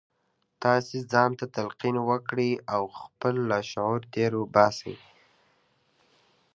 تاسې ځان ته تلقین وکړئ او خپل لاشعور تېر باسئ